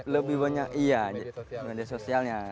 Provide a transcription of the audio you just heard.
lebih banyak iya media sosialnya